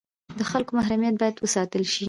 د خلکو محرمیت باید وساتل شي